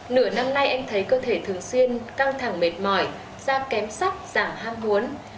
nửa năm nay em thấy cơ thể thường xuyên căng thẳng mệt mỏi da kém sắc giảm ham muốn